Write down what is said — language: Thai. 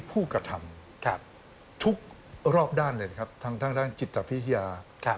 ผู้กระทำทุกรอบด้านเลยนะครับทางด้านจิตพิทยา